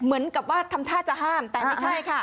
เหมือนกับว่าทำท่าจะห้ามแต่ไม่ใช่ค่ะ